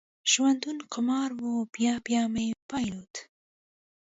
ژوندون قمار و، بیا بیا مې بایلود